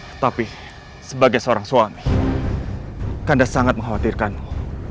tetapi sebagai seorang suami anda sangat mengkhawatirkanmu